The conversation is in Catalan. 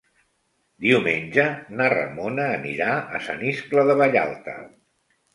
Diumenge na Ramona anirà a Sant Iscle de Vallalta.